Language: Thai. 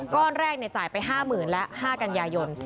ก้อนแรกในจ่ายไปห้าหมื่นและห้ากัญญายน